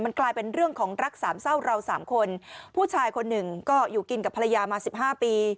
กลายเป็นเรื่องของรักสามเศร้าเราสามคนผู้ชายคนหนึ่งก็อยู่กินกับภรรยามาสิบห้าปี